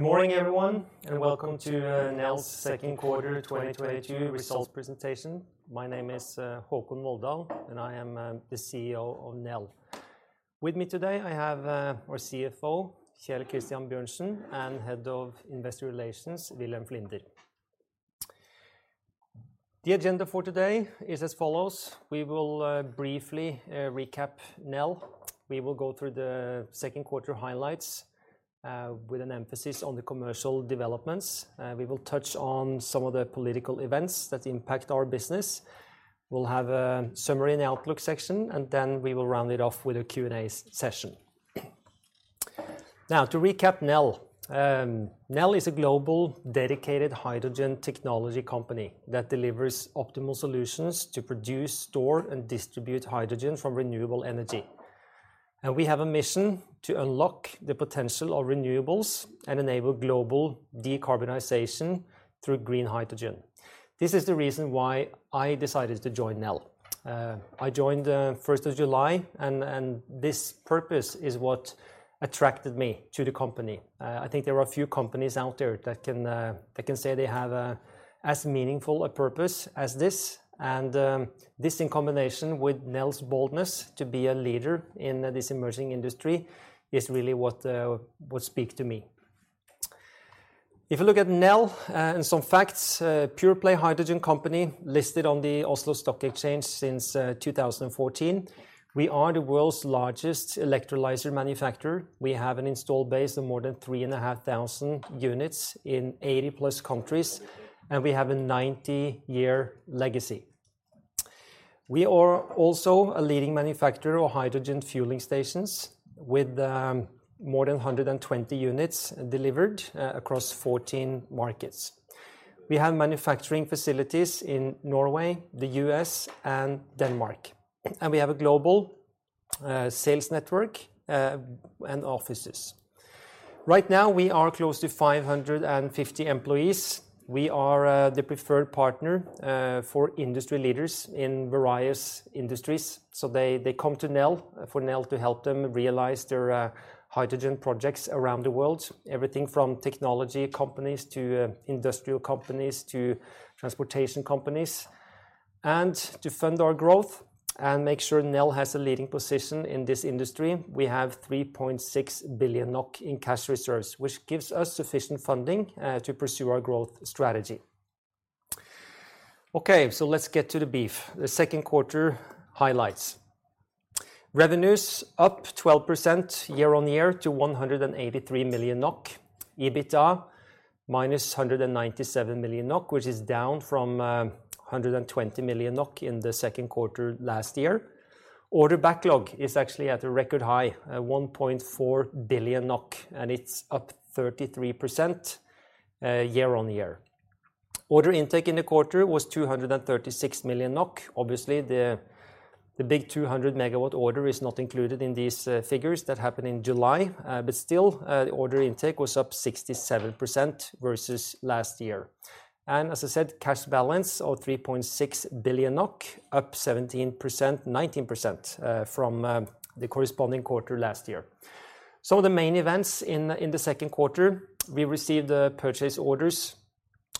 Good morning, everyone, and welcome to Nel's second quarter 2022 results presentation. My name is Håkon Volldal, and I am the CEO of Nel. With me today, I have our CFO, Kjell Christian Bjørnsen, and head of investor relations, Wilhelm Flinder. The agenda for today is as follows. We will briefly recap Nel. We will go through the second quarter highlights with an emphasis on the commercial developments. We will touch on some of the political events that impact our business. We'll have a summary and outlook section, and then we will round it off with a Q&A session. Now, to recap Nel. Nel is a global dedicated hydrogen technology company that delivers optimal solutions to produce, store, and distribute hydrogen from renewable energy. We have a mission to unlock the potential of renewables and enable global decarbonization through green hydrogen. This is the reason why I decided to join Nel. I joined first of July and this purpose is what attracted me to the company. I think there are a few companies out there that can say they have as meaningful a purpose as this, and this in combination with Nel's boldness to be a leader in this emerging industry is really what speak to me. If you look at Nel and some facts, a pure-play hydrogen company listed on the Oslo Stock Exchange since 2014. We are the world's largest electrolyzer manufacturer. We have an installed base of more than 3,500 units in 80+ countries, and we have a 90-year legacy. We are also a leading manufacturer of hydrogen fueling stations with more than 120 units delivered across 14 markets. We have manufacturing facilities in Norway, the U.S., and Denmark, and we have a global sales network and offices. Right now, we are close to 550 employees. We are the preferred partner for industry leaders in various industries, so they come to Nel for Nel to help them realize their hydrogen projects around the world. Everything from technology companies to industrial companies to transportation companies. To fund our growth and make sure Nel has a leading position in this industry, we have 3.6 billion NOK in cash reserves, which gives us sufficient funding to pursue our growth strategy. Okay, so let's get to the beef, the second quarter highlights. Revenues up 12% year-on-year to 183 million NOK. EBITDA -197 million NOK, which is down from 120 million NOK in the second quarter last year. Order backlog is actually at a record high, 1.4 billion NOK, and it's up 33% year-on-year. Order intake in the quarter was 236 million NOK. Obviously, the big 200 MW order is not included in these figures. That happened in July. Still, the order intake was up 67% versus last year. As I said, cash balance of 3.6 billion NOK, up 19% from the corresponding quarter last year. Some of the main events in the second quarter, we received the purchase orders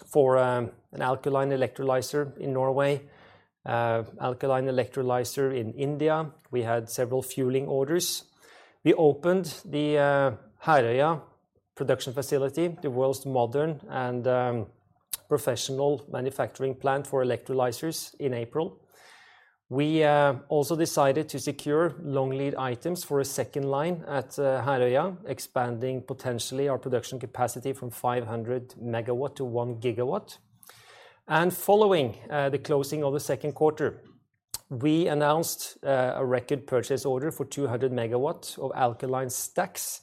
for an alkaline electrolyzer in Norway, alkaline electrolyzer in India. We had several fueling orders. We opened the Herøya production facility, the world's most modern and professional manufacturing plant for electrolyzers in April. We also decided to secure long lead items for a second line at Herøya, expanding potentially our production capacity from 500 MW to 1 GW. Following the closing of the second quarter, we announced a record purchase order for 200 MW of alkaline stacks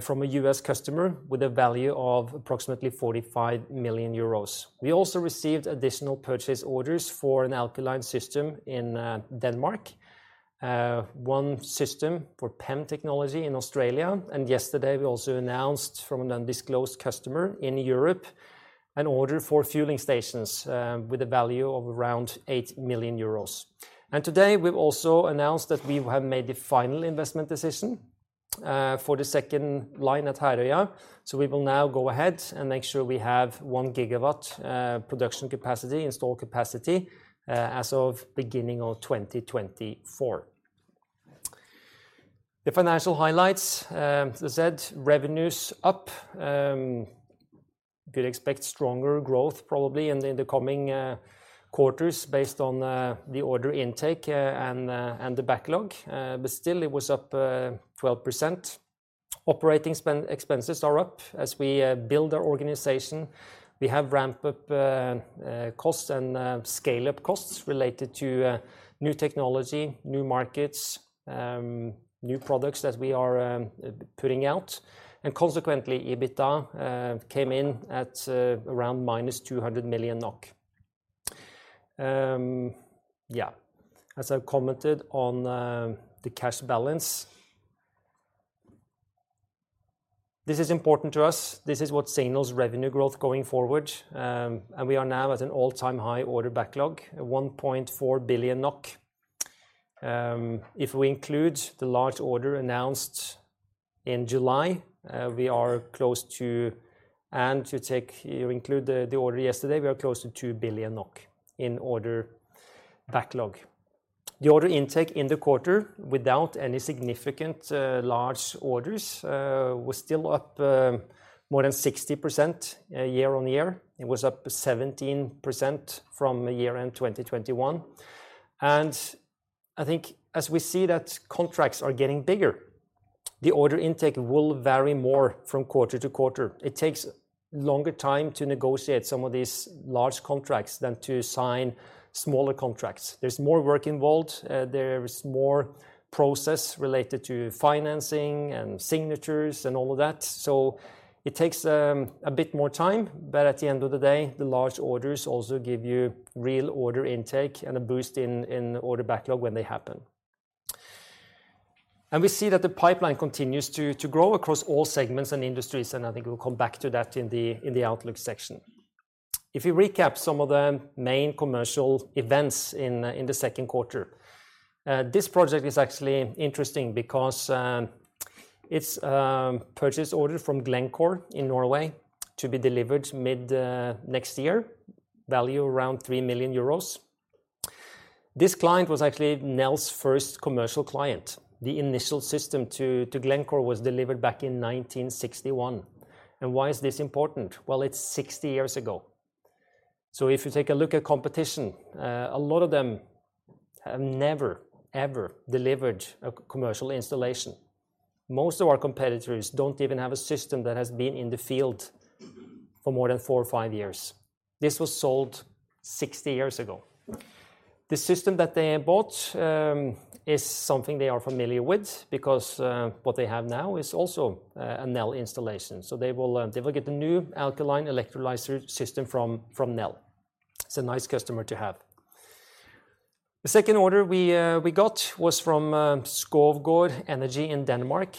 from a US customer with a value of approximately 45 million euros. We also received additional purchase orders for an alkaline system in Denmark, one system for PEM technology in Australia, and yesterday we also announced from an undisclosed customer in Europe an order for fueling stations with a value of around 8 million euros. Today, we've also announced that we have made the final investment decision for the second line at Herøya, so we will now go ahead and make sure we have 1 GW production capacity, installed capacity as of beginning of 2024. The financial highlights, as I said, revenues up. We could expect stronger growth probably in the coming quarters based on the order intake and the backlog, but still it was up 12%. Operating expenses are up as we build our organization. We have ramp-up costs and scale-up costs related to new technology, new markets, new products that we are putting out. Consequently, EBITDA came in at around NOK -200 million. As I've commented on, the cash balance. This is important to us. This is what signals revenue growth going forward, and we are now at an all-time high order backlog, at 1.4 billion NOK. If we include the large order announced in July, we are close to. You include the order yesterday, we are close to 2 billion NOK in order backlog. The order intake in the quarter without any significant large orders was still up more than 60% year-over-year. It was up 17% from year-end 2021. I think as we see that contracts are getting bigger, the order intake will vary more from quarter-to-quarter. It takes longer time to negotiate some of these large contracts than to sign smaller contracts. There's more work involved. There is more process related to financing and signatures and all of that. It takes a bit more time, but at the end of the day, the large orders also give you real order intake and a boost in order backlog when they happen. We see that the pipeline continues to grow across all segments and industries, and I think we'll come back to that in the outlook section. If we recap some of the main commercial events in the second quarter, this project is actually interesting because it's a purchase order from Glencore in Norway to be delivered mid next year, value around 3 million euros. This client was actually Nel's first commercial client. The initial system to Glencore was delivered back in 1961. Why is this important? Well, it's 60 years ago. If you take a look at competition, a lot of them have never, ever delivered a commercial installation. Most of our competitors don't even have a system that has been in the field for more than 4 or 5 years. This was sold 60 years ago. The system that they bought is something they are familiar with because what they have now is also a Nel installation. They will get the new alkaline electrolyzer system from Nel. It's a nice customer to have. The second order we got was from Skovgaard Energy in Denmark.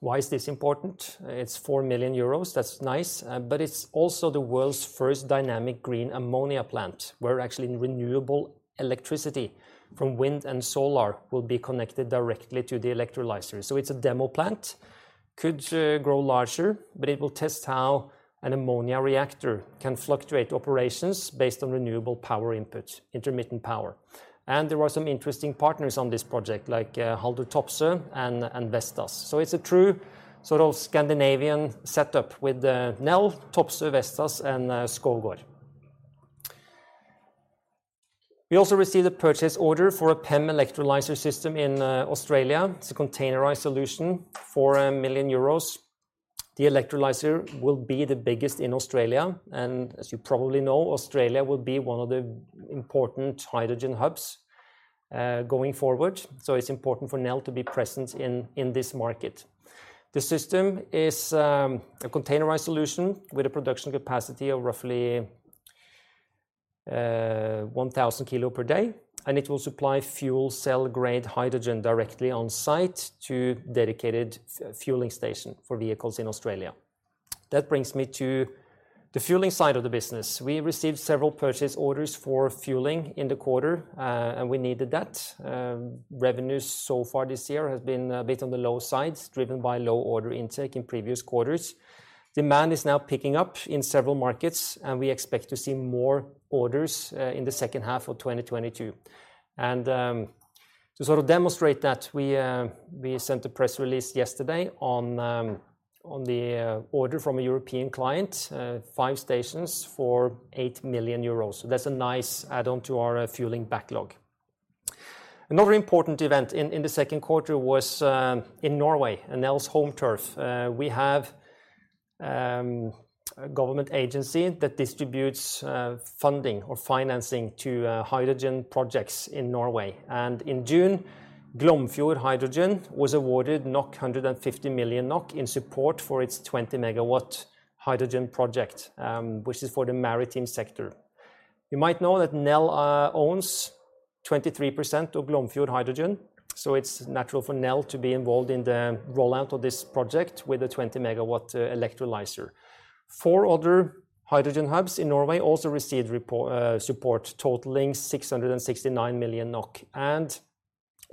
Why is this important? It's 4 million euros. That's nice, but it's also the world's first dynamic green ammonia plant, where actually renewable electricity from wind and solar will be connected directly to the electrolyzer. It's a demo plant. Could grow larger, but it will test how an ammonia reactor can fluctuate operations based on renewable power input, intermittent power. There are some interesting partners on this project, like Topsoe and Vestas. It's a true sort of Scandinavian setup with Nel, Topsoe, Vestas, and Skovgaard. We also received a purchase order for a PEM electrolyzer system in Australia. It's a containerized solution, 4 million euros. The electrolyzer will be the biggest in Australia, and as you probably know, Australia will be one of the important hydrogen hubs, going forward. It's important for Nel to be present in this market. The system is a containerized solution with a production capacity of roughly 1,000 kilo per day, and it will supply fuel cell grade hydrogen directly on site to dedicated fueling station for vehicles in Australia. That brings me to the fueling side of the business. We received several purchase orders for fueling in the quarter, and we needed that. Revenues so far this year has been a bit on the low side, driven by low order intake in previous quarters. Demand is now picking up in several markets, and we expect to see more orders in the second half of 2022. To sort of demonstrate that, we sent a press release yesterday on the order from a European client, five stations for 8 million euros. That's a nice add-on to our fueling backlog. Another important event in the second quarter was in Norway, in Nel's home turf. We have a government agency that distributes funding or financing to hydrogen projects in Norway. In June, Glomfjord Hydrogen was awarded 150 million NOK in support for its 20-MW hydrogen project, which is for the maritime sector. You might know that Nel owns 23% of Glomfjord Hydrogen, so it's natural for Nel to be involved in the rollout of this project with a 20-MW electrolyzer. 4 other hydrogen hubs in Norway also received support totaling 669 million NOK.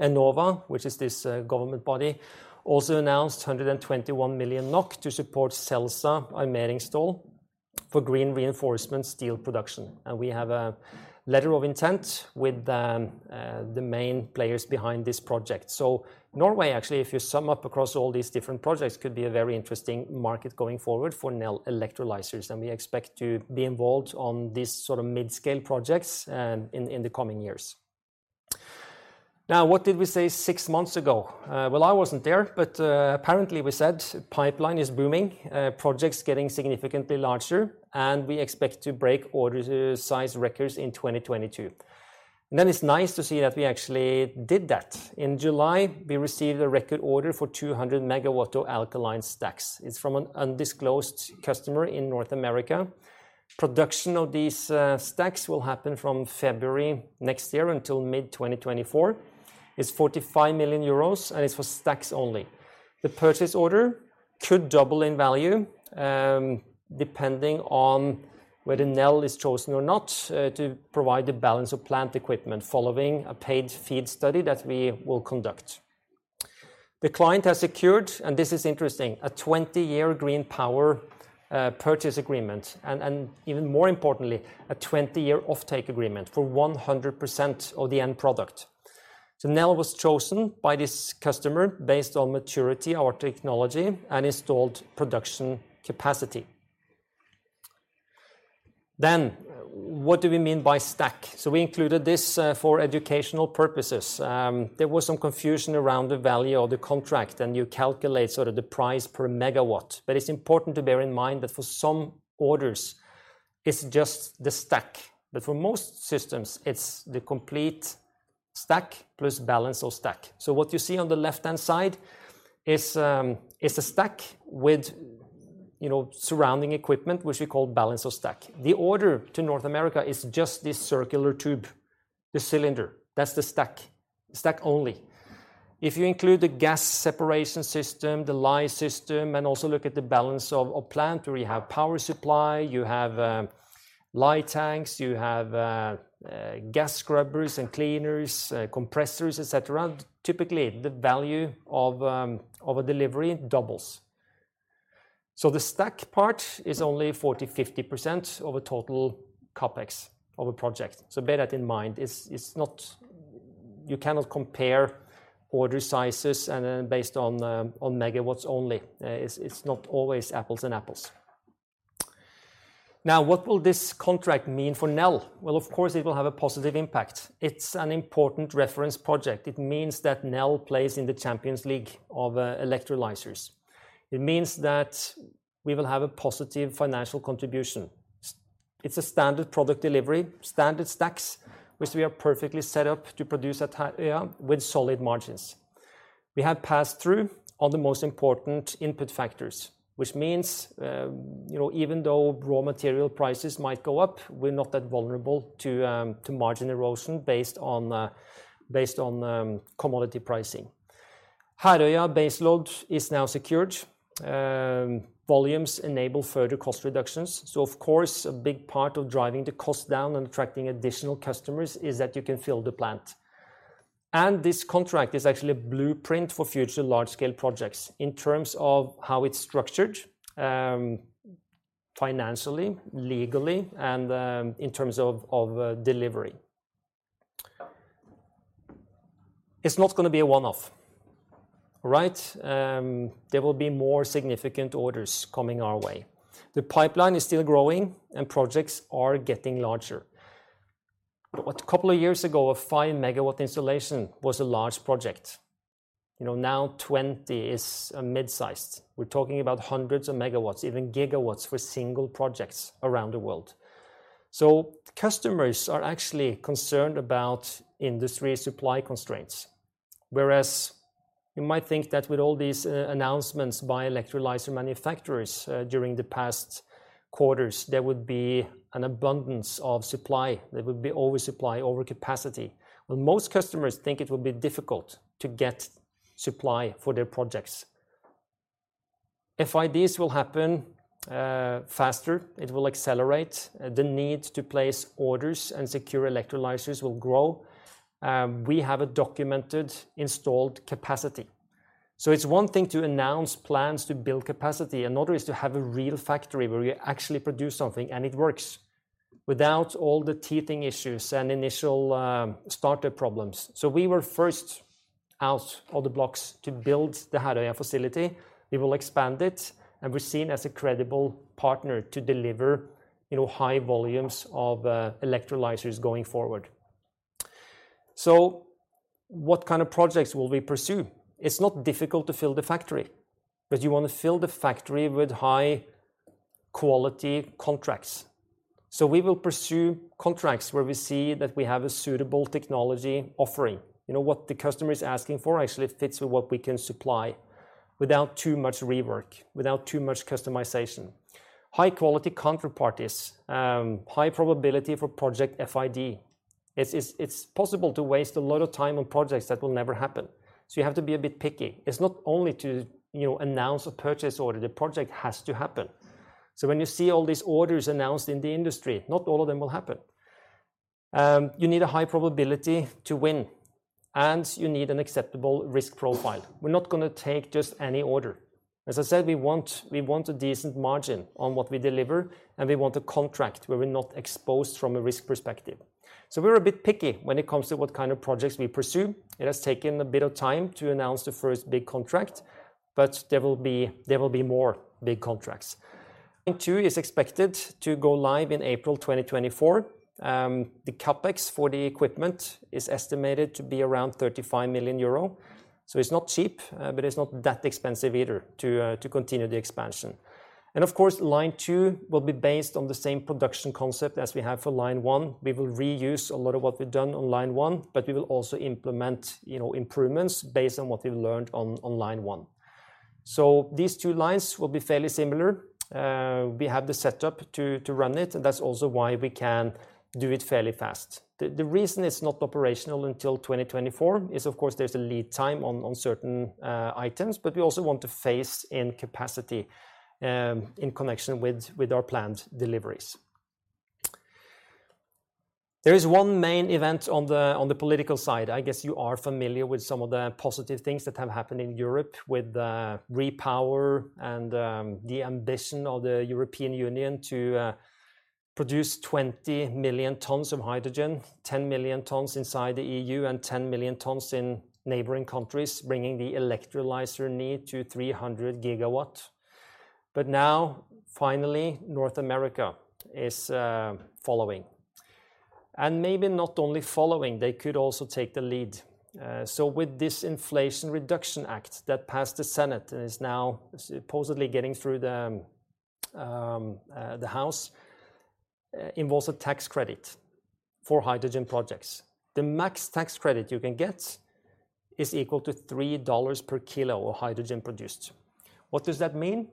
Enova, which is this government body, also announced 121 million NOK to support Celsa in Mo i Rana for green reinforcement steel production. We have a letter of intent with the main players behind this project. Norway, actually, if you sum up across all these different projects, could be a very interesting market going forward for Nel electrolyzers, and we expect to be involved on these sort of mid-scale projects in the coming years. Now, what did we say six months ago? Well, I wasn't there, but apparently we said pipeline is booming, projects getting significantly larger, and we expect to break order size records in 2022. Then it's nice to see that we actually did that. In July, we received a record order for 200 MW of alkaline stacks. It's from an undisclosed customer in North America. Production of these stacks will happen from February next year until mid-2024. It's 45 million euros, and it's for stacks only. The purchase order could double in value, depending on whether Nel is chosen or not, to provide the balance of plant equipment following a paid FEED study that we will conduct. The client has secured, and this is interesting, a 20-year green power purchase agreement, and even more importantly, a 20-year offtake agreement for 100% of the end product. Nel was chosen by this customer based on maturity, our technology, and installed production capacity. What do we mean by stack? We included this for educational purposes. There was some confusion around the value of the contract, and you calculate sort of the price per megawatt. It's important to bear in mind that for some orders, it's just the stack. For most systems it's the complete stack plus balance of stack. What you see on the left-hand side is a stack with, you know, surrounding equipment, which we call balance of stack. The order to North America is just this circular tube, this cylinder. That's the stack. Stack only. If you include the gas separation system, the lye system, and also look at the balance of plant where you have power supply, you have lye tanks, you have gas scrubbers and cleaners, compressors, et cetera, typically the value of a delivery doubles. The stack part is only 40%-50% of a total CapEx of a project. Bear that in mind. It's not. You cannot compare order sizes and then based on megawatts only. It's not always apples and apples. Now, what will this contract mean for Nel? Well, of course it will have a positive impact. It's an important reference project. It means that Nel plays in the Champions League of electrolyzers. It means that we will have a positive financial contribution. It's a standard product delivery, standard stacks, which we are perfectly set up to produce at Herøya with solid margins. We have pass-through on the most important input factors, which means, you know, even though raw material prices might go up, we're not that vulnerable to margin erosion based on commodity pricing. Herøya baseload is now secured. Volumes enable further cost reductions. Of course, a big part of driving the cost down and attracting additional customers is that you can fill the plant. This contract is actually a blueprint for future large scale projects in terms of how it's structured, financially, legally, and in terms of delivery. It's not gonna be a one-off, right? There will be more significant orders coming our way. The pipeline is still growing and projects are getting larger. What? A couple of years ago, a 5-MW installation was a large project. You know, now 20 is mid-sized. We're talking about hundreds of megawatts, even gigawatts, for single projects around the world. Customers are actually concerned about industry supply constraints. Whereas you might think that with all these announcements by electrolyzer manufacturers during the past quarters, there would be an abundance of supply. There would be oversupply, overcapacity. Most customers think it will be difficult to get supply for their projects. FIDs will happen faster. It will accelerate. The need to place orders and secure electrolyzers will grow. We have a documented installed capacity. It's one thing to announce plans to build capacity. Another is to have a real factory where you actually produce something, and it works without all the teething issues and initial startup problems. We were first out of the blocks to build the Herøya facility. We will expand it, and we're seen as a credible partner to deliver, you know, high volumes of electrolyzers going forward. What kind of projects will we pursue? It's not difficult to fill the factory, but you want to fill the factory with high-quality contracts. We will pursue contracts where we see that we have a suitable technology offering. You know, what the customer is asking for actually fits with what we can supply without too much rework, without too much customization. High-quality counterparties. High probability for project FID. It's possible to waste a lot of time on projects that will never happen. You have to be a bit picky. It's not only to, you know, announce a purchase order. The project has to happen. When you see all these orders announced in the industry, not all of them will happen. You need a high probability to win, and you need an acceptable risk profile. We're not gonna take just any order. As I said, we want a decent margin on what we deliver, and we want a contract where we're not exposed from a risk perspective. We're a bit picky when it comes to what kind of projects we pursue. It has taken a bit of time to announce the first big contract, but there will be more big contracts. Line two is expected to go live in April 2024. The CapEx for the equipment is estimated to be around 35 million euro. It's not cheap, but it's not that expensive either to continue the expansion. Of course, line two will be based on the same production concept as we have for line one. We will reuse a lot of what we've done on line one, but we will also implement, you know, improvements based on what we've learned on line one. These two lines will be fairly similar. We have the setup to run it, and that's also why we can do it fairly fast. The reason it's not operational until 2024 is, of course, there's a lead time on certain items. But we also want to phase in capacity in connection with our planned deliveries. There is one main event on the political side. I guess you are familiar with some of the positive things that have happened in Europe with REPowerEU and the ambition of the European Union to produce 20 million tons of hydrogen, 10 million tons inside the EU and 10 million tons in neighboring countries, bringing the electrolyzer need to 300 GW. Now, finally, North America is following. Maybe not only following, they could also take the lead. With this Inflation Reduction Act that passed the Senate and is now supposedly getting through the House, involves a tax credit for hydrogen projects. The max tax credit you can get is equal to $3 per kilo of hydrogen produced. What does that mean?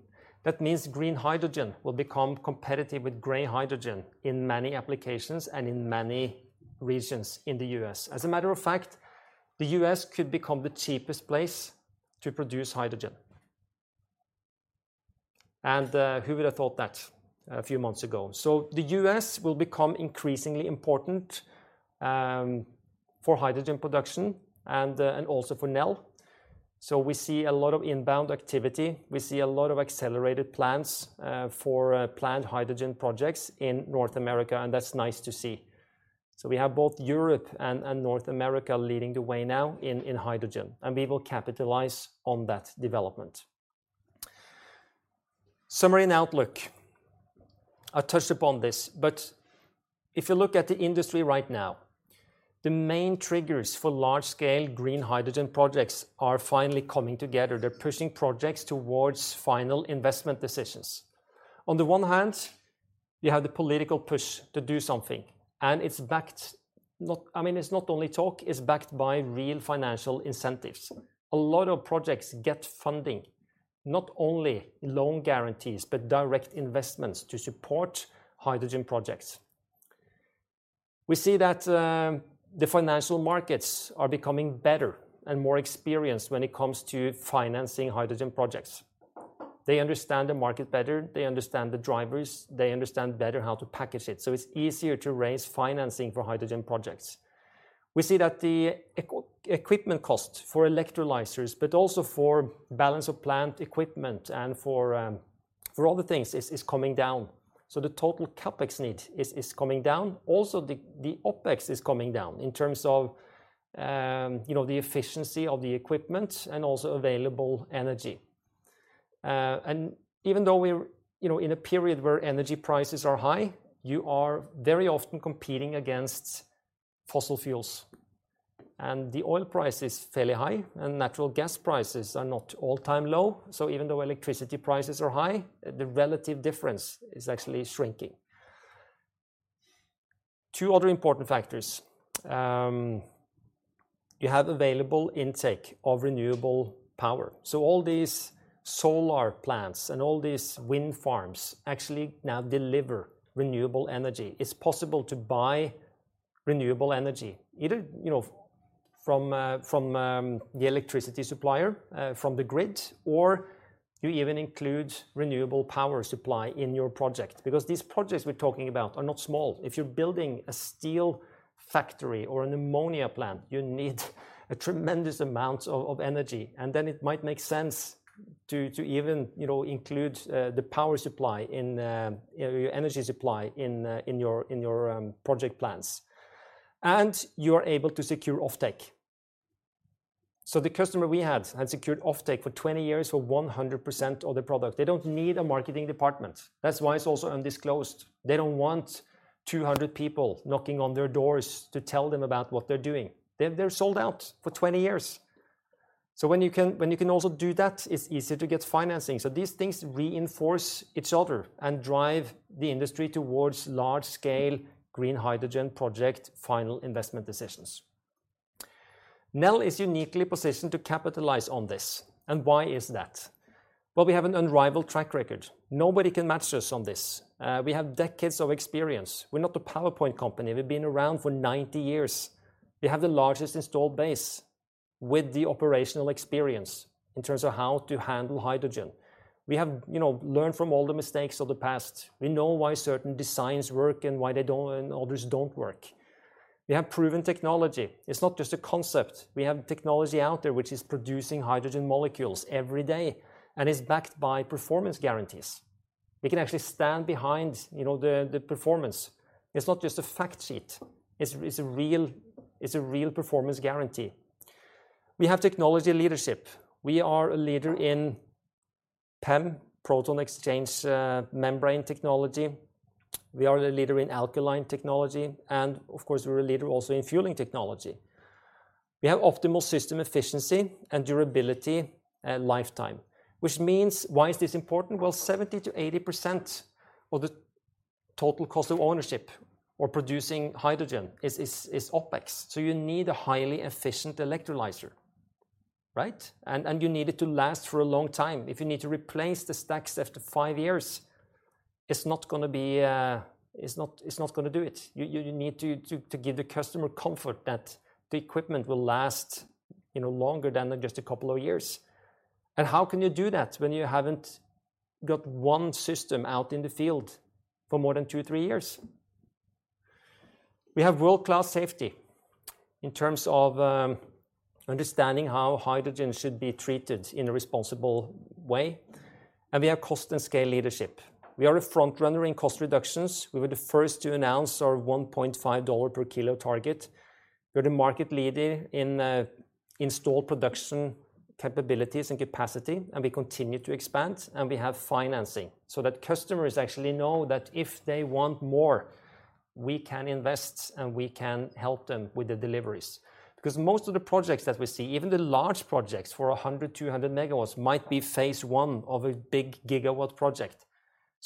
That means green hydrogen will become competitive with gray hydrogen in many applications and in many regions in the US. As a matter of fact, the U.S. could become the cheapest place to produce hydrogen. Who would have thought that a few months ago? The U.S. will become increasingly important for hydrogen production and also for Nel. We see a lot of inbound activity. We see a lot of accelerated plans for planned hydrogen projects in North America, and that's nice to see. We have both Europe and North America leading the way now in hydrogen, and we will capitalize on that development. Summary and outlook. I touched upon this, but if you look at the industry right now, the main triggers for large-scale green hydrogen projects are finally coming together. They're pushing projects towards final investment decisions. On the one hand, you have the political push to do something, and it's backed not. I mean, it's not only talk, it's backed by real financial incentives. A lot of projects get funding, not only loan guarantees, but direct investments to support hydrogen projects. We see that the financial markets are becoming better and more experienced when it comes to financing hydrogen projects. They understand the market better, they understand the drivers, they understand better how to package it, so it's easier to raise financing for hydrogen projects. We see that the equipment cost for electrolyzers, but also for balance of plant equipment and for other things is coming down. So the total CapEx need is coming down. Also, the OpEx is coming down in terms of you know, the efficiency of the equipment and also available energy. Even though we're, you know, in a period where energy prices are high, you are very often competing against fossil fuels, and the oil price is fairly high, and natural gas prices are not all-time low. Even though electricity prices are high, the relative difference is actually shrinking. Two other important factors. You have available intake of renewable power. All these solar plants and all these wind farms actually now deliver renewable energy. It's possible to buy renewable energy, either, you know, from the electricity supplier, from the grid, or you even include renewable power supply in your project. Because these projects we're talking about are not small. If you're building a steel factory or an ammonia plant, you need a tremendous amount of energy, and then it might make sense to even, you know, include the power supply in your energy supply in your project plans. You are able to secure offtake. The customer we had secured offtake for 20 years for 100% of the product. They don't need a marketing department. That's why it's also undisclosed. They don't want 200 people knocking on their doors to tell them about what they're doing. They're sold out for 20 years. When you can also do that, it's easier to get financing. These things reinforce each other and drive the industry towards large-scale green hydrogen project final investment decisions. Nel is uniquely positioned to capitalize on this. Why is that? Well, we have an unrivaled track record. Nobody can match us on this. We have decades of experience. We're not a PowerPoint company. We've been around for 90 years. We have the largest installed base with the operational experience in terms of how to handle hydrogen. We have, you know, learned from all the mistakes of the past. We know why certain designs work and why they don't and others don't work. We have proven technology. It's not just a concept. We have technology out there which is producing hydrogen molecules every day, and it's backed by performance guarantees. We can actually stand behind, you know, the performance. It's not just a fact sheet. It's a real performance guarantee. We have technology leadership. We are a leader in PEM, proton exchange membrane technology. We are a leader in alkaline technology, and of course, we're a leader also in fueling technology. We have optimal system efficiency and durability and lifetime, which means why is this important? Well, 70%-80% of the total cost of ownership or producing hydrogen is OpEx. So you need a highly efficient electrolyzer, right? And you need it to last for a long time. If you need to replace the stacks after five years, it's not gonna do it. You need to give the customer comfort that the equipment will last, you know, longer than just a couple of years. How can you do that when you haven't got one system out in the field for more than 2-3 years? We have world-class safety in terms of understanding how hydrogen should be treated in a responsible way, and we have cost and scale leadership. We are a front runner in cost reductions. We were the first to announce our $1.5 per kilo target. We're the market leader in installed production capabilities and capacity, and we continue to expand, and we have financing so that customers actually know that if they want more, we can invest and we can help them with the deliveries. Because most of the projects that we see, even the large projects for 100, 200 MW might be phase 1 of a big gigawatt project.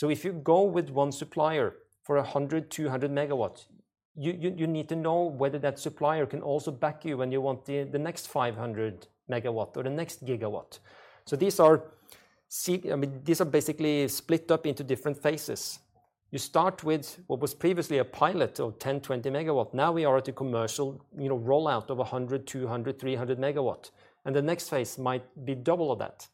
If you go with one supplier for 100, 200 MW, you need to know whether that supplier can also back you when you want the next 500 MW or the next gigawatt. These are se—I mean, these are basically split up into different phases. You start with what was previously a pilot of 10, 20 MW. Now we are at a commercial, you know, rollout of 100, 200, 300 MW, and the next phase might be double of that.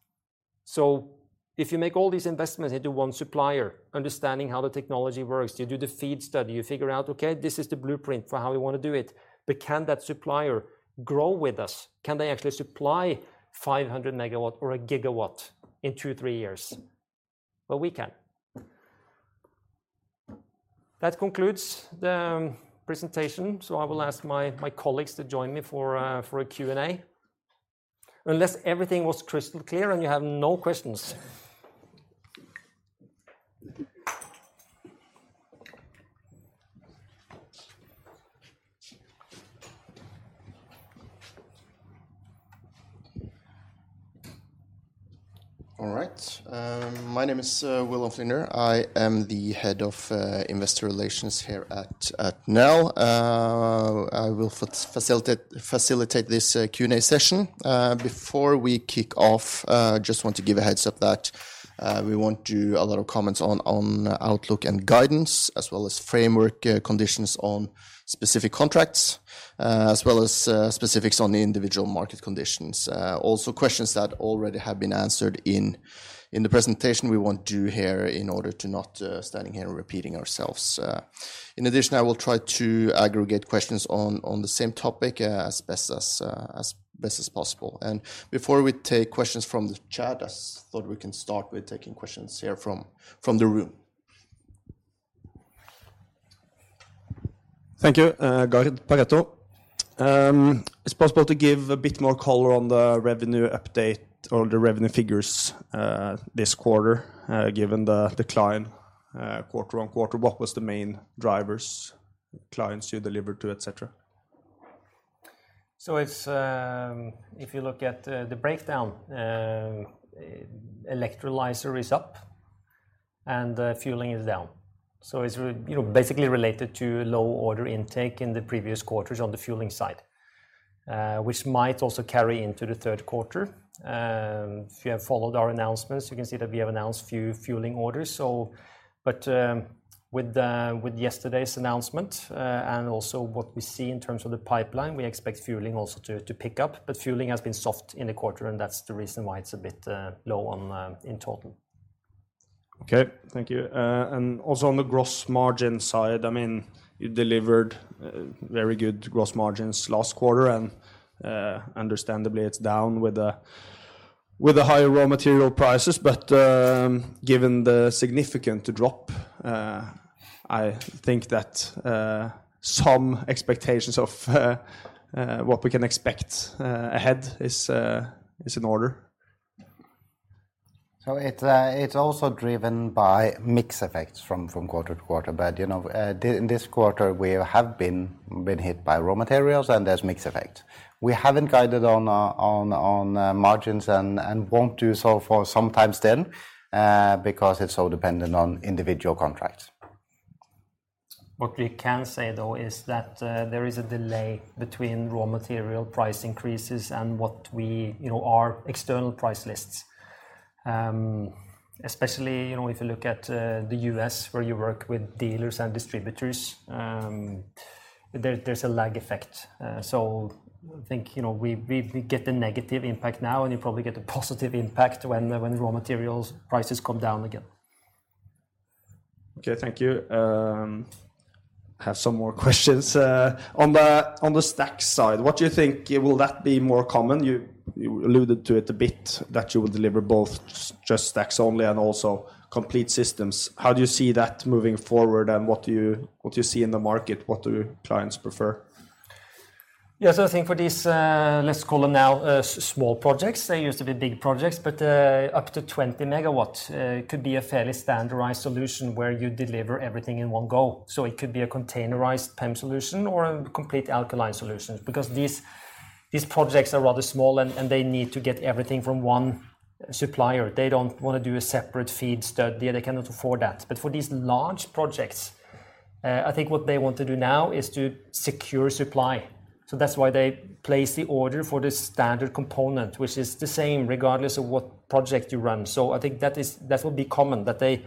If you make all these investments into one supplier, understanding how the technology works, you do the FEED study, you figure out, okay, this is the blueprint for how we wanna do it, but can that supplier grow with us? Can they actually supply 500 MW or a gigawatt in 2-3 years? Well, we can. That concludes the presentation, so I will ask my colleagues to join me for a Q&A. Unless everything was crystal clear and you have no questions. All right. My name is Wilhelm Flinder. I am the head of investor relations here at Nel. I will facilitate this Q&A session. Before we kick off, just want to give a heads-up that we won't do a lot of comments on outlook and guidance, as well as framework conditions on specific contracts, as well as specifics on the individual market conditions. Also questions that already have been answered in the presentation we won't do here in order to not standing here repeating ourselves. In addition, I will try to aggregate questions on the same topic as best as possible. Before we take questions from the chat, I thought we can start with taking questions here from the room. Thank you. Gard from Pareto. It's possible to give a bit more color on the revenue update or the revenue figures, this quarter, given the decline, quarter-on-quarter. What was the main drivers, clients you delivered to, et cetera? It's if you look at the breakdown, electrolyzer is up and fueling is down. It's you know, basically related to low order intake in the previous quarters on the fueling side, which might also carry into the third quarter. If you have followed our announcements, you can see that we have announced few fueling orders. But with yesterday's announcement and also what we see in terms of the pipeline, we expect fueling also to pick up. But fueling has been soft in the quarter, and that's the reason why it's a bit low in total. Okay. Thank you. Also on the gross margin side, I mean, you delivered very good gross margins last quarter, and understandably it's down with the higher raw material prices. Given the significant drop, I think that some expectations of what we can expect ahead is in order. It's also driven by mix effects from quarter-to-quarter. You know, in this quarter we have been hit by raw materials and there's mix effect. We haven't guided on margins and won't do so for some time then, because it's so dependent on individual contracts. What we can say though is that there is a delay between raw material price increases and what we, you know, our external price lists. Especially, you know, if you look at the U.S. where you work with dealers and distributors, there's a lag effect. I think, you know, we get the negative impact now and you probably get the positive impact when raw materials prices come down again. Okay. Thank you. I have some more questions. On the stack side, what do you think will that be more common? You alluded to it a bit that you will deliver both just stacks only and also complete systems. How do you see that moving forward and what do you see in the market? What do clients prefer? I think for these, let's call them now, small projects, they used to be big projects, but up to 20 MW could be a fairly standardized solution where you deliver everything in one go. It could be a containerized PEM solution or a complete alkaline solution because these projects are rather small and they need to get everything from one supplier. They don't wanna do a separate FEED study, and they cannot afford that. For these large projects, I think what they want to do now is to secure supply. That's why they place the order for the standard component, which is the same regardless of what project you run. I think that will be common, that they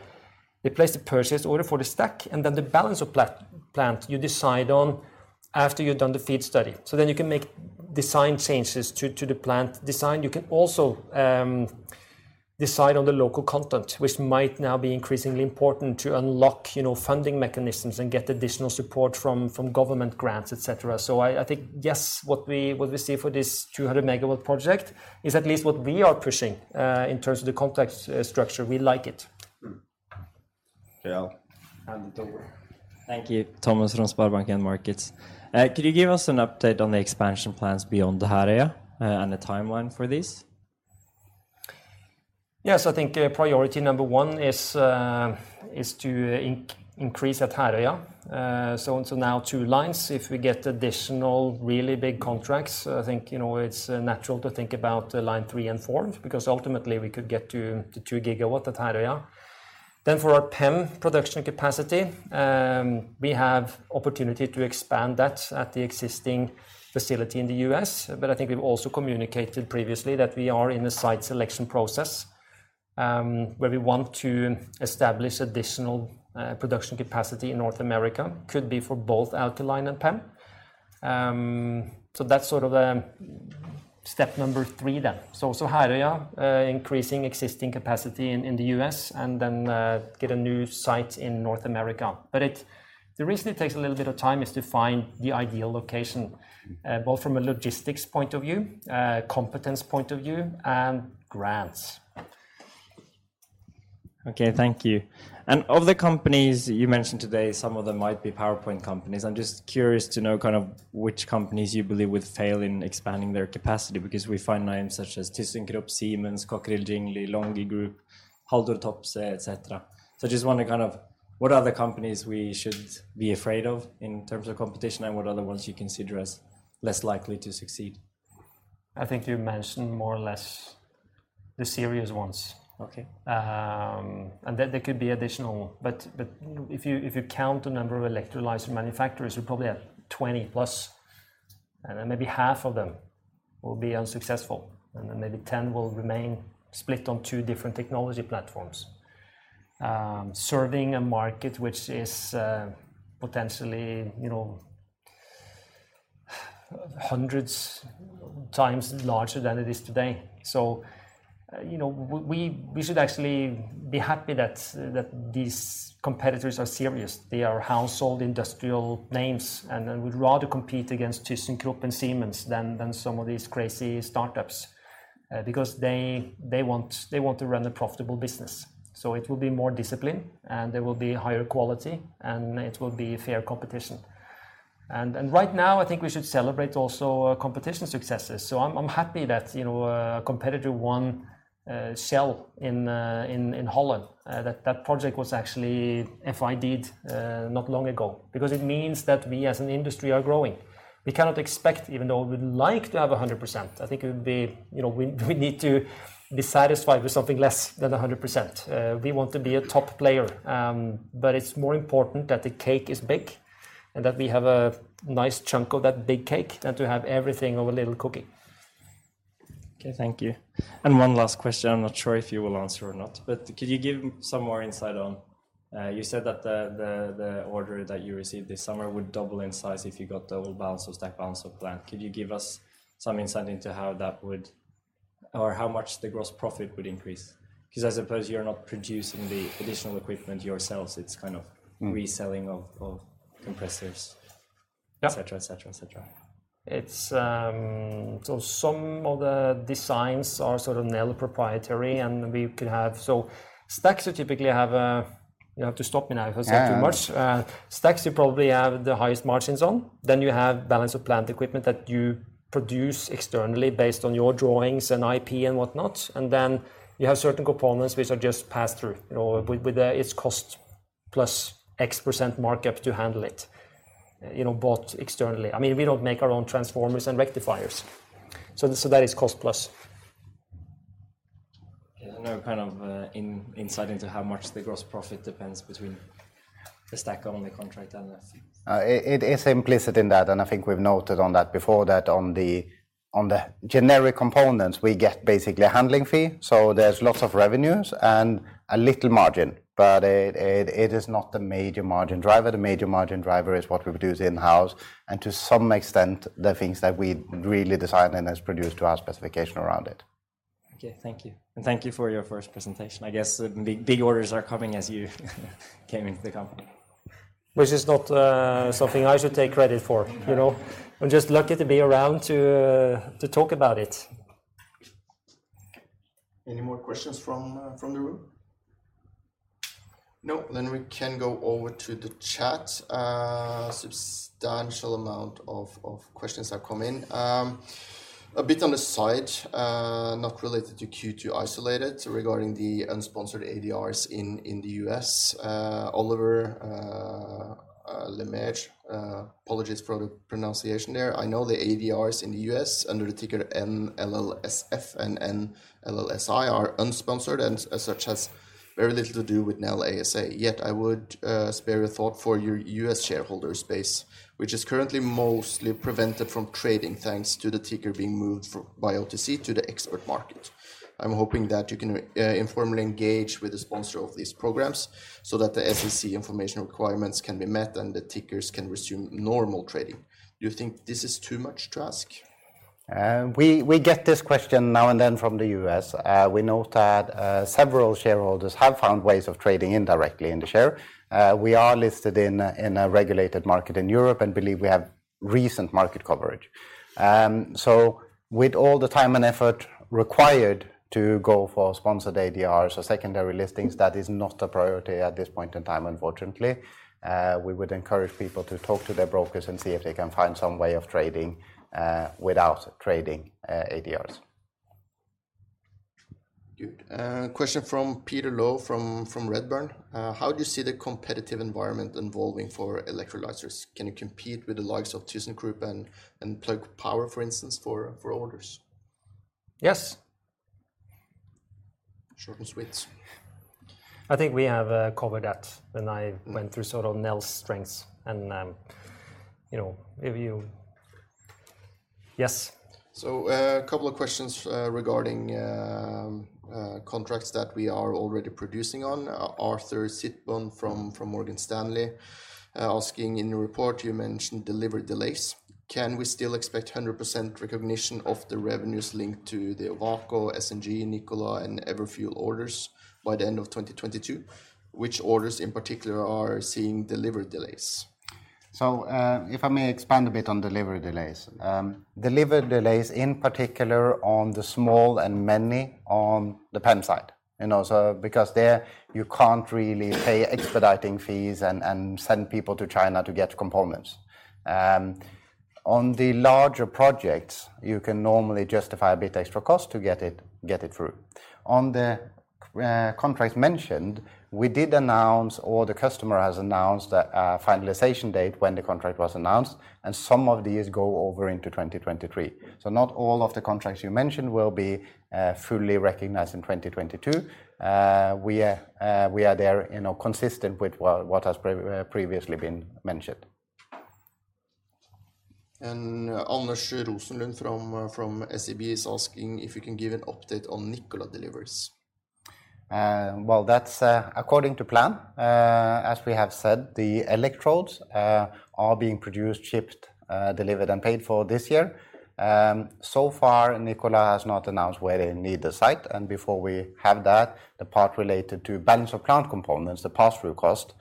place the purchase order for the stack, and then the balance of plant you decide on after you've done the FEED study. You can make design changes to the plant design. You can also decide on the local content, which might now be increasingly important to unlock, you know, funding mechanisms and get additional support from government grants, et cetera. I think, yes, what we see for this 200 MW project is at least what we are pushing in terms of the contract structure. We like it. Okay. I'll hand it over. Thank you. Thomas from SpareBank 1 Markets. Could you give us an update on the expansion plans beyond the Herøya, and the timeline for this? Yes. I think priority number one is to increase at Herøya. Now two lines. If we get additional really big contracts, I think, you know, it's natural to think about line three and four because ultimately we could get to 2 GW at Herøya. For our PEM production capacity, we have opportunity to expand that at the existing facility in the U.S., but I think we've also communicated previously that we are in a site selection process, where we want to establish additional production capacity in North America. Could be for both alkaline and PEM. That's sort of step number three then. Herøya, increasing existing capacity in the U.S. and then get a new site in North America. The reason it takes a little bit of time is to find the ideal location, both from a logistics point of view, a competence point of view, and grants. Okay. Thank you. Of the companies you mentioned today, some of them might be PowerPoint companies. I'm just curious to know kind of which companies you believe would fail in expanding their capacity because we find names such as ThyssenKrupp, Siemens, Cockerill Jingli, LONGi, Haldor Topsoe, et cetera. Just wanna know kind of what are the companies we should be afraid of in terms of competition, and what are the ones you consider as less likely to succeed? I think you mentioned more or less the serious ones. Okay. There could be additional. If you count the number of electrolyzer manufacturers, we probably have 20+, and then maybe half of them will be unsuccessful, and then maybe 10 will remain split on 2 different technology platforms, serving a market which is potentially, you know, hundreds times larger than it is today. You know, we should actually be happy that these competitors are serious. They are household industrial names, and I would rather compete against ThyssenKrupp and Siemens than some of these crazy startups, because they want to run a profitable business. It will be more discipline, and there will be higher quality, and it will be fair competition. Right now, I think we should celebrate also competition successes. I'm happy that, you know, a competitor, Shell, won in Holland. That project was actually FIDed not long ago because it means that we as an industry are growing. We cannot expect, even though we'd like to have 100%, I think it would be. You know, we need to be satisfied with something less than 100%. We want to be a top player, but it's more important that the cake is big and that we have a nice chunk of that big cake than to have everything of a little cookie. Okay. Thank you. One last question. I'm not sure if you will answer or not. Could you give some more insight on, you said that the order that you received this summer would double in size if you got double balance of stack, balance of plant. Could you give us some insight into how that would or how much the gross profit would increase? 'Cause I suppose you're not producing the additional equipment yourselves. It's kind of- Mm. reselling of compressors Yeah ...et cetera, et cetera, et cetera. Some of the designs are sort of Nel proprietary. You have to stop me now. Yeah Because I have too much. Stacks you probably have the highest margins on. Then you have balance of plant equipment that you produce externally based on your drawings and IP and whatnot. Then you have certain components which are just pass through. You know, with the cost plus X percent markup to handle it, you know, bought externally. I mean, we don't make our own transformers and rectifiers. So that is cost plus. Okay. No kind of insight into how much the gross profit depends between the stack-only contract and the- It is implicit in that. I think we've noted on that before that on the generic components we get basically a handling fee. There's lots of revenues and a little margin. It is not the major margin driver. The major margin driver is what we produce in-house and to some extent the things that we really design and is produced to our specification around it. Okay. Thank you. Thank you for your first presentation. I guess, big orders are coming as you came into the company. Which is not something I should take credit for. Okay. You know, I'm just lucky to be around to talk about it. Any more questions from the room? No. Then we can go over to the chat. A substantial amount of questions have come in. A bit on the side, not related to Q2 isolated, so regarding the unsponsored ADRs in the U.S. Oliver Lemke. Apologies for the pronunciation there. I know the ADRs in the U.S. under the ticker NLLSF and NLLSI are unsponsored and as such has very little to do with Nel ASA. Yet I would spare a thought for your U.S. shareholder space, which is currently mostly prevented from trading thanks to the ticker being moved from OTC to the expert markets. I'm hoping that you can informally engage with the sponsor of these programs so that the SEC information requirements can be met and the tickers can resume normal trading. Do you think this is too much to ask? We get this question now and then from the U.S. We note that several shareholders have found ways of trading indirectly in the share. We are listed in a regulated market in Europe and believe we have recent market coverage. With all the time and effort required to go for sponsored ADRs or secondary listings, that is not a priority at this point in time, unfortunately. We would encourage people to talk to their brokers and see if they can find some way of trading without ADRs. Good. Question from Peter Low from Redburn. How do you see the competitive environment evolving for electrolyzers? Can you compete with the likes of ThyssenKrupp and Plug Power, for instance, for orders? Yes. Short and sweet. I think we have covered that when I went through sort of Nel's strengths. You know, if you. Yes. A couple of questions regarding contracts that we are already producing on. Arthur Sitbon from Morgan Stanley asking, in your report you mentioned delivery delays. Can we still expect 100% recognition of the revenues linked to the Ovako, Statkraft, Nikola and Everfuel orders by the end of 2022? Which orders in particular are seeing delivery delays? If I may expand a bit on delivery delays. Delivery delays in particular on the small and many on the PEM side. You know, so because there you can't really pay expediting fees and send people to China to get components. On the larger projects, you can normally justify a bit extra cost to get it through. On the contracts mentioned, we did announce, or the customer has announced a finalization date when the contract was announced, and some of these go over into 2023. Not all of the contracts you mentioned will be fully recognized in 2022. We are there, you know, consistent with what has previously been mentioned. Anders Rosenlund from SEB is asking if you can give an update on Nikola deliveries. Well, that's according to plan, as we have said, the electrodes are being produced, shipped, delivered and paid for this year. So far, Nikola has not announced where they need the site, and before we have that, the part related to balance of plant components, the pass-through cost,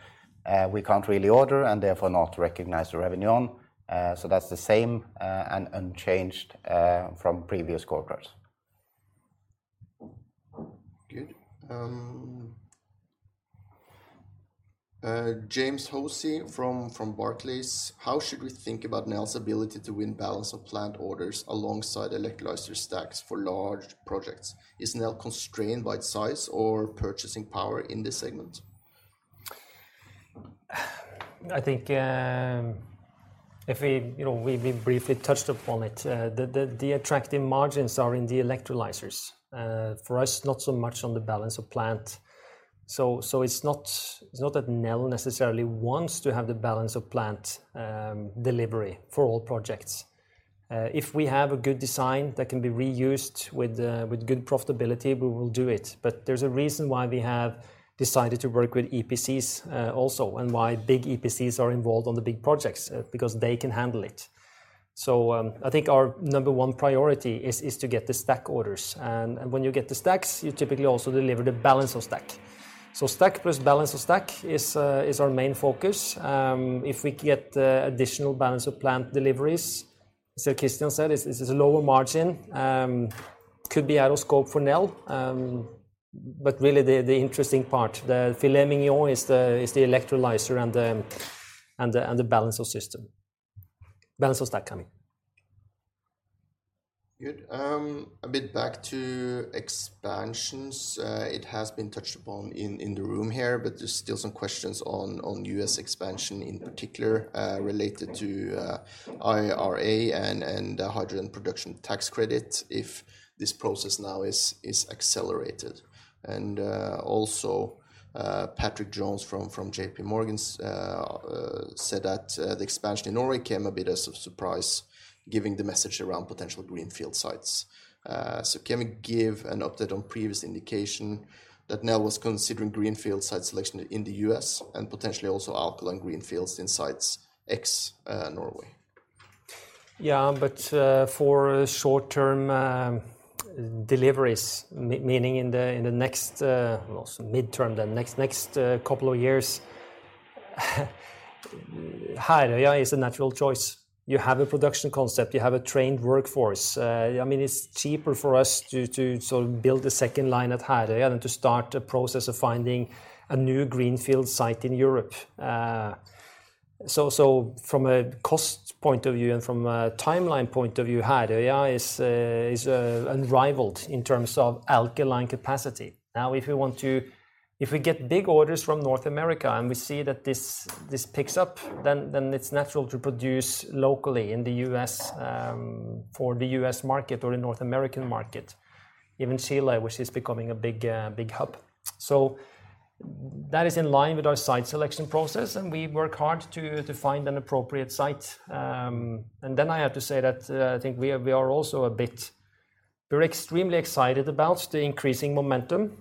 we can't really order and therefore not recognize the revenue on. That's the same and unchanged from previous corporates. Good. James Hosie from Barclays. How should we think about Nel's ability to win balance of plant orders alongside electrolyzer stacks for large projects? Is Nel constrained by its size or purchasing power in this segment? I think, if we, you know, briefly touched upon it. The attractive margins are in the electrolyzers. For us, not so much on the balance of plant. It's not that Nel necessarily wants to have the balance of plant delivery for all projects. If we have a good design that can be reused with good profitability, we will do it. There's a reason why we have decided to work with EPCs, also, and why big EPCs are involved on the big projects, because they can handle it. I think our number one priority is to get the stack orders. When you get the stacks, you typically also deliver the balance of stack. Stack plus balance of stack is our main focus. If we get additional balance of plant deliveries, as Christian said, it's a lower margin. Really the interesting part, the filet mignon is the electrolyzer and the balance of stack coming. Good. A bit back to expansions. It has been touched upon in the room here, but there's still some questions on U.S. expansion in particular, related to IRA and hydrogen production tax credit if this process now is accelerated. Also, Patrick Jones from JP Morgan's said that the expansion in Norway came a bit as a surprise given the message around potential greenfield sites. Can we give an update on previous indication that Nel was considering greenfield site selection in the U.S. and potentially also alkaline greenfields in sites ex-Norway? Yeah, for short-term deliveries, meaning in the next, well, so mid-term then, next couple of years, Herøya is a natural choice. You have a production concept. You have a trained workforce. I mean, it's cheaper for us to sort of build a second line at Herøya than to start a process of finding a new greenfield site in Europe. From a cost point of view and from a timeline point of view, Herøya is unrivaled in terms of alkaline capacity. If we get big orders from North America and we see that this picks up, then it's natural to produce locally in the U.S. for the U.S. market or the North American market. Even Chile, which is becoming a big hub. That is in line with our site selection process, and we work hard to find an appropriate site. I have to say that I think we're extremely excited about the increasing momentum,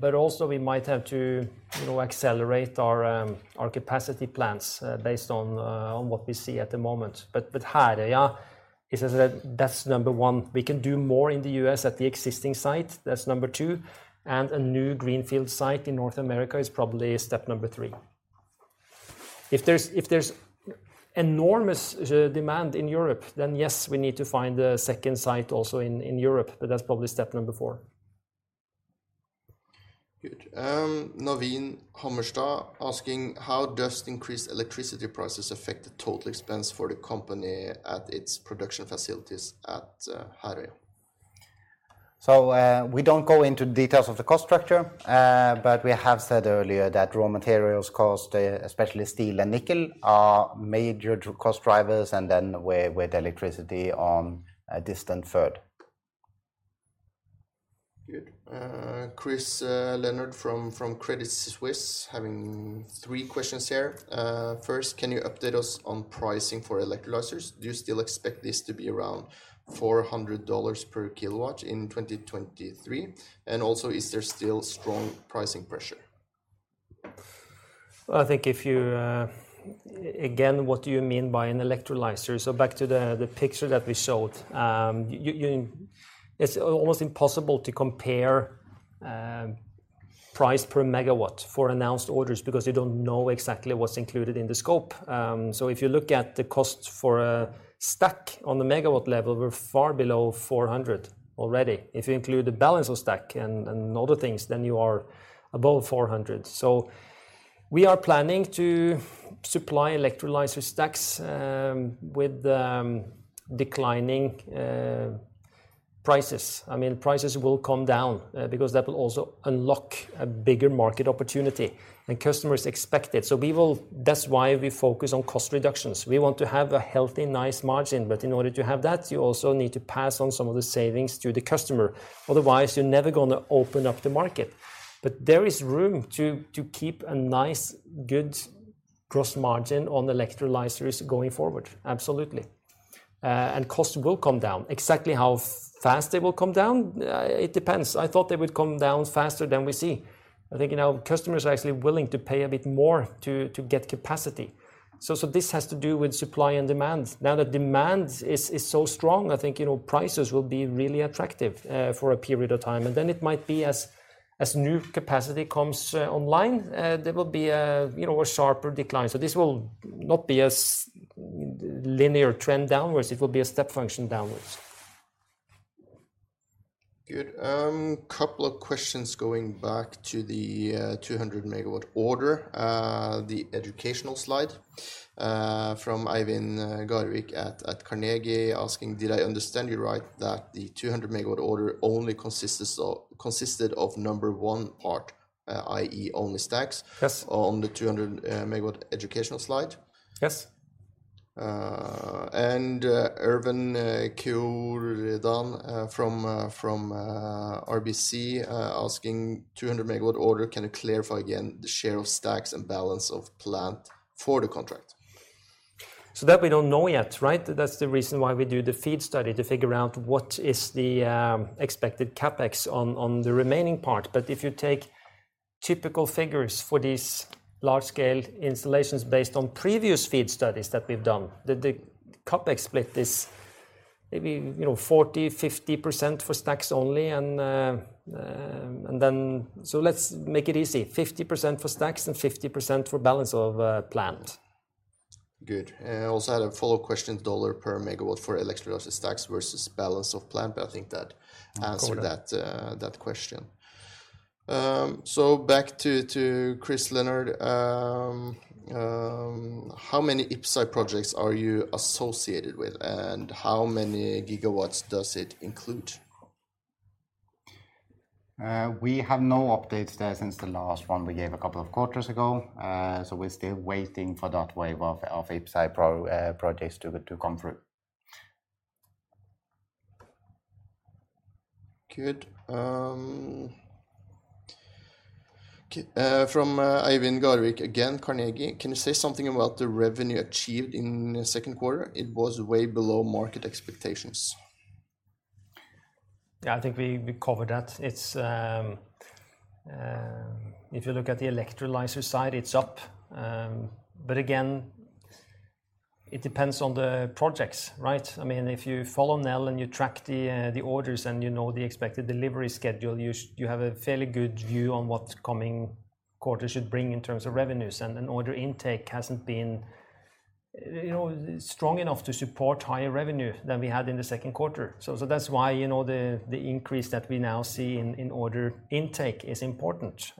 but also we might have to, you know, accelerate our capacity plans based on what we see at the moment. Here, yeah, he says that that's number one. We can do more in the US at the existing site. That's number two. A new greenfield site in North America is probably step number three. If there's enormous demand in Europe, then yes, we need to find a second site also in Europe, but that's probably step number four. Good. Naveen Hammerstad asking, how does increased electricity prices affect the total expense for the company at its production facilities at Herøya? We don't go into details of the cost structure, but we have said earlier that raw materials cost, especially steel and nickel, are major cost drivers and then with electricity on a distant third. Good. Chris Leonard from Credit Suisse having three questions here. First, can you update us on pricing for electrolyzers? Do you still expect this to be around $400 per kW in 2023? Is there still strong pricing pressure? Well, I think if you again, what do you mean by an electrolyzer? Back to the picture that we showed. It's almost impossible to compare price per megawatt for announced orders because you don't know exactly what's included in the scope. If you look at the cost for a stack on the megawatt level, we're far below $400 already. If you include the balance of stack and other things, then you are above $400. We are planning to supply electrolyzer stacks with declining prices. I mean, prices will come down because that will also unlock a bigger market opportunity and customers expect it. That's why we focus on cost reductions. We want to have a healthy, nice margin, but in order to have that, you also need to pass on some of the savings to the customer. Otherwise, you're never gonna open up the market. There is room to keep a nice, good gross margin on electrolyzers going forward. Absolutely. Costs will come down. Exactly how fast they will come down, it depends. I thought they would come down faster than we see. I think, you know, customers are actually willing to pay a bit more to get capacity. So this has to do with supply and demand. Now the demand is so strong, I think, you know, prices will be really attractive for a period of time. Then it might be as new capacity comes online, there will be, you know, a sharper decline. This will not be a linear trend downward, it will be a step function downward. Good. Couple of questions going back to the 200-MW order, the educational slide from Eivind Garvik at Carnegie asking, did I understand you right that the 200-MW order only consists of number one part, i.e. only stacks. Yes On the 200 MW educational slide? Yes. Erwan Kerouredan from RBC asking 200 MW order, can you clarify again the share of stacks and balance of plant for the contract? That we don't know yet, right? That's the reason why we do the FEED study to figure out what is the expected CapEx on the remaining part. If you take typical figures for these large-scale installations based on previous FEED studies that we've done, the CapEx split is maybe 40-50% for stacks only. Let's make it easy, 50% for stacks and 50% for balance of plant. Good. Also had a follow-up question, dollar per megawatt for electrolysis stacks versus balance of plant, but I think that. Correct Answered that question. Back to Christopher Leonard. How many IPCEI projects are you associated with and how many gigawatts does it include? We have no updates there since the last one we gave a couple of quarters ago. We're still waiting for that wave of IPCEI projects to come through. Good. From Eivind Garvik again, Carnegie. Can you say something about the revenue achieved in the second quarter? It was way below market expectations. Yeah, I think we covered that. It's if you look at the electrolyzer side, it's up. But again, it depends on the projects, right? I mean, if you follow Nel and you track the orders and you know the expected delivery schedule, you have a fairly good view on what coming quarters should bring in terms of revenues. Order intake hasn't been, you know, strong enough to support higher revenue than we had in the second quarter. That's why, you know, the increase that we now see in order intake is important.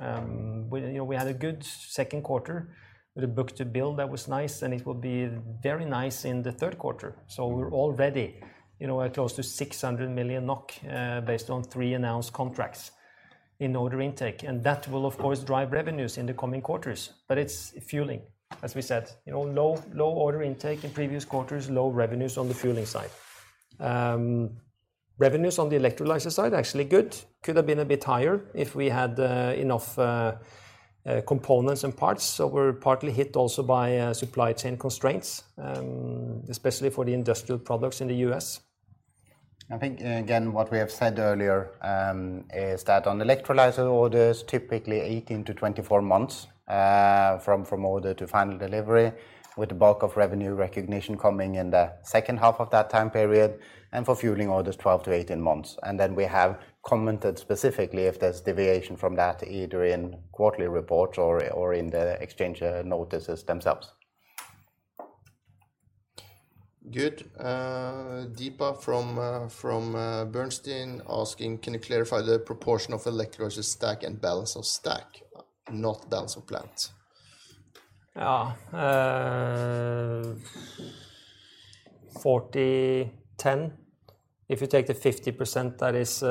We you know had a good second quarter with a book-to-bill that was nice, and it will be very nice in the third quarter. We're already, you know, at close to 600 million NOK based on 3 announced contracts in order intake. That will of course drive revenues in the coming quarters. It's fueling, as we said. You know, low order intake in previous quarters, low revenues on the fueling side. Revenues on the electrolyzer side actually good. Could have been a bit higher if we had enough components and parts. We're partly hit also by supply chain constraints, especially for the industrial products in the U.S. I think, again, what we have said earlier, is that on electrolyzer orders, typically 18-24 months, from order to final delivery, with the bulk of revenue recognition coming in the second half of that time period, and for fueling orders 12-18 months. We have commented specifically if there's deviation from that, either in quarterly reports or in the exchange notices themselves. Good. Deepa from Bernstein asking, can you clarify the proportion of electrolyzer stack and balance of stack, not balance of plant? Yeah. 40-10. If you take the 50% that is.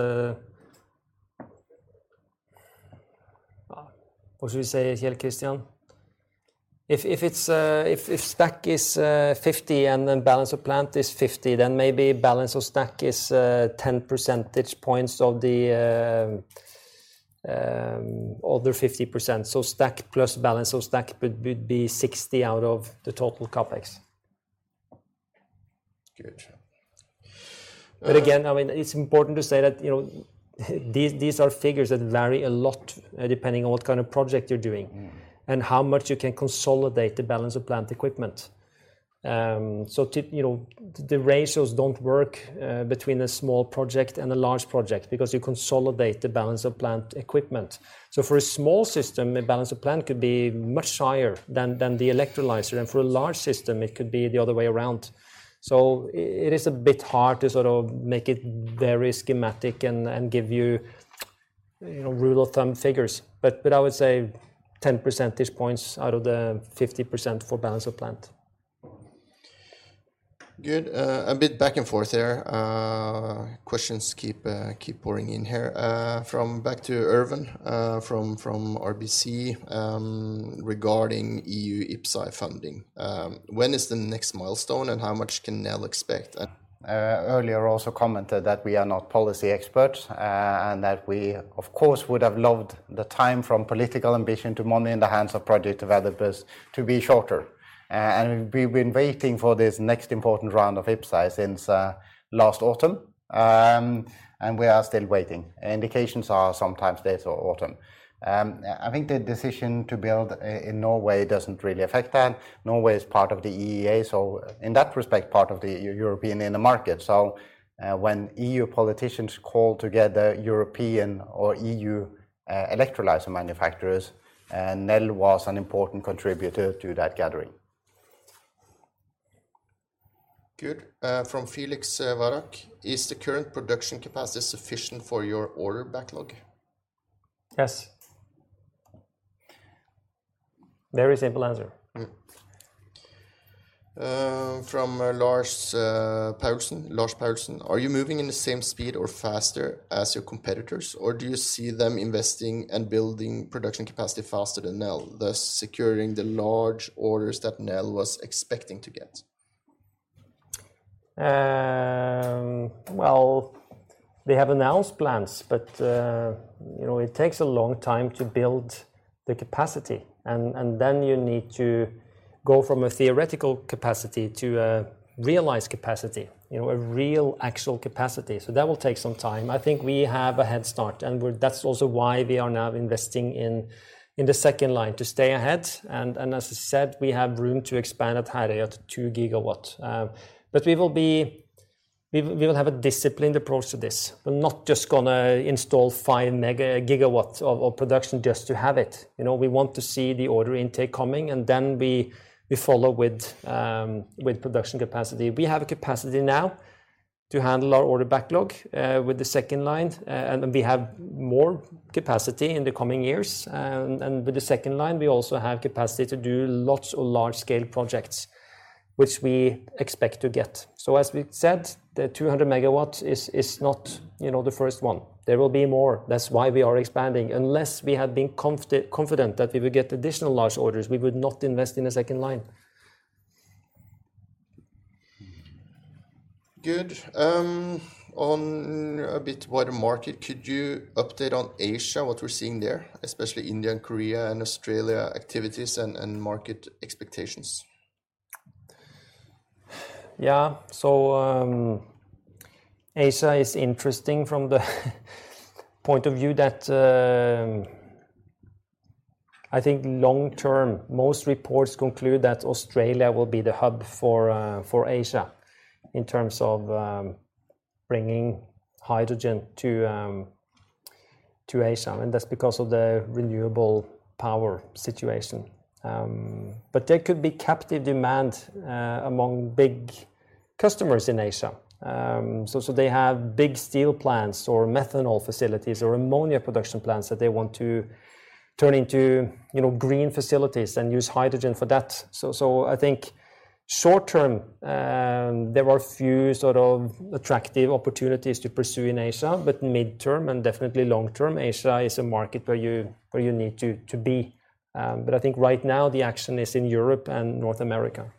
What should we say here, Christian? If stack is 50 and then balance of plant is 50, then maybe balance of stack is 10 percentage points of the other 50%. So stack plus balance of stack would be 60 out of the total CapEx. Good. Again, I mean, it's important to say that, you know, these are figures that vary a lot, depending on what kind of project you're doing. Mm. How much you can consolidate the balance of plant equipment. You know, the ratios don't work between a small project and a large project because you consolidate the balance of plant equipment. For a small system, the balance of plant could be much higher than the electrolyzer. For a large system, it could be the other way around. It is a bit hard to sort of make it very schematic and give you know, rule of thumb figures. I would say 10 percentage points out of the 50% for balance of plant. Good. A bit back and forth there. Questions keep pouring in here. Back to Erwan Kerouredan from RBC regarding EU IPCEI funding. When is the next milestone, and how much can Nel expect? Earlier also commented that we are not policy experts, and that we of course would have loved the time from political ambition to money in the hands of project developers to be shorter. We've been waiting for this next important round of IPCEI since last autumn. We are still waiting. Indications are sometime this autumn. I think the decision to build in Norway doesn't really affect that. Norway is part of the EEA, so in that respect, part of the European internal market. When EU politicians call together European or EU electrolyzer manufacturers, Nel was an important contributor to that gathering. Good. From Felix Varak. Is the current production capacity sufficient for your order backlog? Yes. Very simple answer. From Lars Persson, are you moving in the same speed or faster as your competitors, or do you see them investing and building production capacity faster than Nel, thus securing the large orders that Nel was expecting to get? Well, they have announced plans, but you know, it takes a long time to build the capacity, and then you need to go from a theoretical capacity to a realized capacity, you know, a real actual capacity. That will take some time. I think we have a head start, and we're. That's also why we are now investing in the second line, to stay ahead. As I said, we have room to expand at Herøya to 2 GW. But we will have a disciplined approach to this. We're not just gonna install 5 GW of production just to have it. You know, we want to see the order intake coming, and then we follow with production capacity. We have a capacity now to handle our order backlog with the second line, and we have more capacity in the coming years. With the second line, we also have capacity to do lots of large-scale projects, which we expect to get. As we said, the 200 MW is not, you know, the first one. There will be more. That's why we are expanding. Unless we had been confident that we would get additional large orders, we would not invest in a second line. Good. On a bit wider market, could you update on Asia, what we're seeing there, especially India and Korea and Australia activities and market expectations? Yeah. Asia is interesting from the point of view that, I think long term, most reports conclude that Australia will be the hub for Asia in terms of bringing hydrogen to Asia, and that's because of the renewable power situation. There could be captive demand among big customers in Asia. They have big steel plants or methanol facilities or ammonia production plants that they want to turn into, you know, green facilities and use hydrogen for that. I think short term, there are few sort of attractive opportunities to pursue in Asia. Mid-term and definitely long term, Asia is a market where you need to be. I think right now the action is in Europe and North America.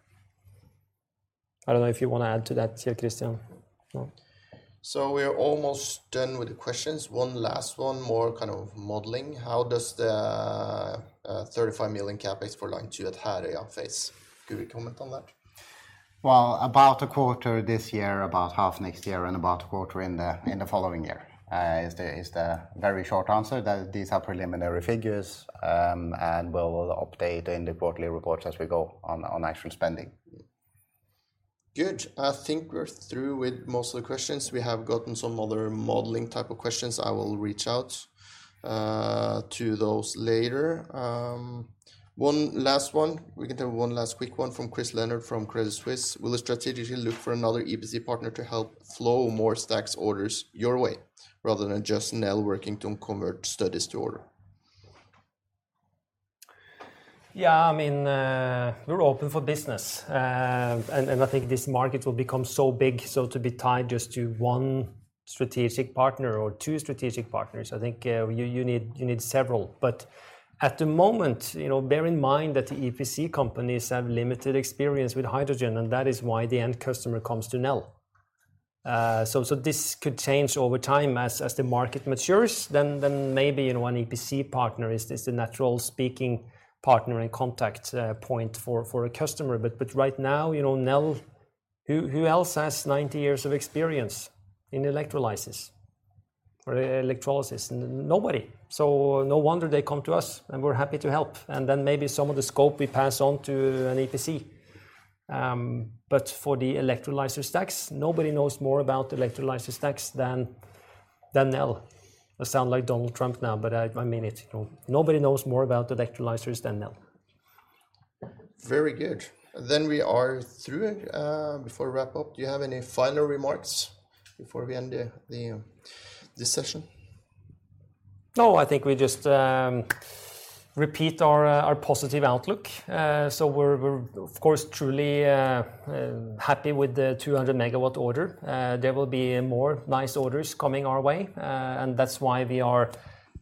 I don't know if you wanna add to that, Kjell Christian. No? We're almost done with the questions. One last one, more kind of modeling. How does the 35 million CapEx for line two at Herøya phase? Could we comment on that? Well, about a quarter this year, about half next year, and about a quarter in the following year is the very short answer. These are preliminary figures, and we'll update in the quarterly reports as we go on actual spending. Good. I think we're through with most of the questions. We have gotten some other modeling type of questions. I will reach out to those later. One last one. We can take one last quick one from Christopher Leonard from Credit Suisse. Will they strategically look for another EPC partner to help flow more stack orders your way rather than just Nel working to convert studies to orders? Yeah, I mean, we're open for business. I think this market will become so big, so to be tied just to one strategic partner or two strategic partners. I think you need several. At the moment, you know, bear in mind that the EPC companies have limited experience with hydrogen, and that is why the end customer comes to Nel. This could change over time as the market matures. Then maybe, you know, an EPC partner is the natural speaking partner and contact point for a customer. Right now, you know, Nel. Who else has 90 years of experience in electrolysis? Nobody. No wonder they come to us, and we're happy to help. Then maybe some of the scope we pass on to an EPC. For the electrolysis stacks, nobody knows more about the electrolysis stacks than Nel. I sound like Donald Trump now, but I mean it. You know, nobody knows more about the electrolyzers than Nel. Very good. We are through. Before we wrap up, do you have any final remarks before we end this session? No, I think we just repeat our positive outlook. We're of course truly happy with the 200-MW order. There will be more nice orders coming our way, and that's why we are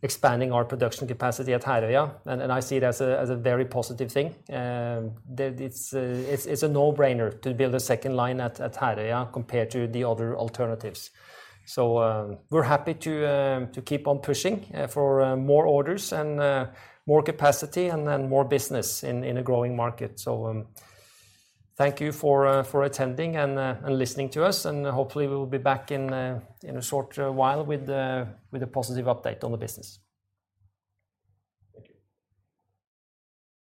expanding our production capacity at Herøya. I see it as a very positive thing. It's a no-brainer to build a second line at Herøya compared to the other alternatives. We're happy to keep on pushing for more orders and more capacity and then more business in a growing market. Thank you for attending and listening to us. Hopefully we'll be back in a short while with a positive update on the business. Thank you.